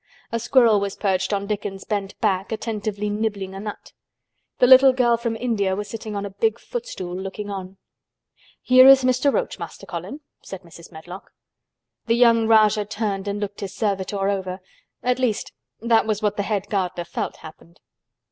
A squirrel was perched on Dickon's bent back attentively nibbling a nut. The little girl from India was sitting on a big footstool looking on. "Here is Mr. Roach, Master Colin," said Mrs. Medlock. The young Rajah turned and looked his servitor over—at least that was what the head gardener felt happened.